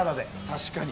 確かに。